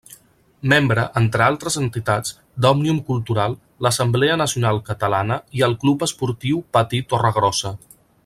Membre, entre altres entitats, d'Òmnium Cultural, l'Assemblea Nacional Catalana i el Club Esportiu Patí Torregrossa.